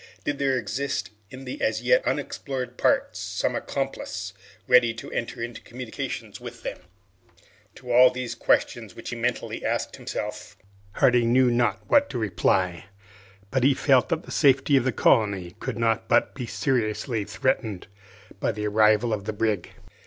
Did there exist in the as yet unexplored parts some accomplice ready to enter into communication with them? To all these questions which he mentally asked himself, Harding knew not what to reply; but he felt that the safety of the colony could not but be seriously threatened by the arrival of the brig.